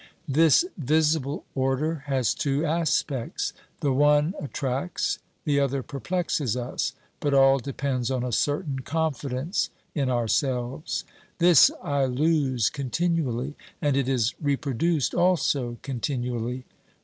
This visible order has two aspects ; the one at tracts, the other perplexes us, but all depends on a certain confidence in ourselves. This I lose continually, and it is reproduced also continually.